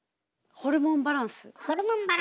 ホルモンバランス！